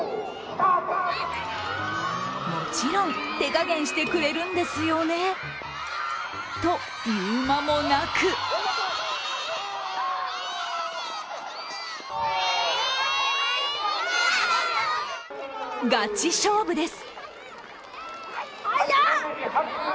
もちろん手加減してくれるんですよね？と、言う間もなくがち勝負です。